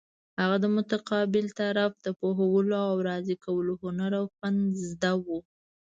هغه د مقابل طرف د پوهولو او راضي کولو هنر او فن زده وو.